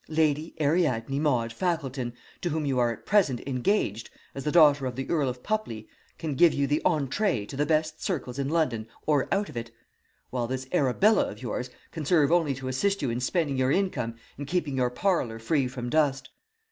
Lady Ariadne Maude Fackleton, to whom you are at present engaged, as the daughter of the Earl of Pupley, can give you the entrée to the best circles in London or out of it; while this Arabella of yours can serve only to assist you in spending your income and keeping your parlour free from dust.